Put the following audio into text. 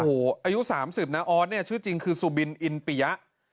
อายุ๓๐น้าออสเนี่ยชื่อจริงคือซูบินอินปิยะ